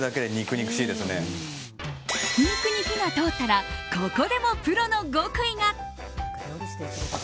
ひき肉に火が通ったらここでもプロの極意が。